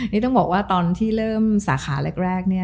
นี่ต้องบอกว่าตอนที่เริ่มสาขาแรกเนี่ย